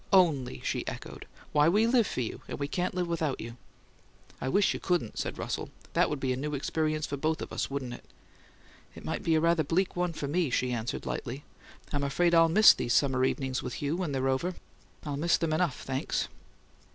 "'Only!'" she echoed. "Why, we live for you, and we can't live without you." "I wish you couldn't," said Russell. "That would be a new experience for both of us, wouldn't it?" "It might be a rather bleak one for me," she answered, lightly. "I'm afraid I'll miss these summer evenings with you when they're over. I'll miss them enough, thanks!"